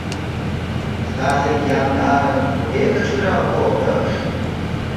— Стасик яндарын туге кычкырал колтыш.